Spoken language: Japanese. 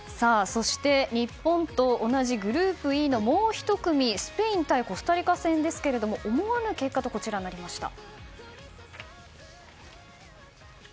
そして、日本と同じグループＥのもう１組スペイン対コスタリカ戦ですがこちらは思わぬ結果となりました。